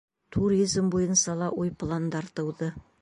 Туризм буйынса ла уй-пландар тыуҙы.